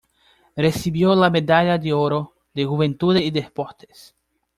Recibió la medalla de oro de Juventud y Deportes.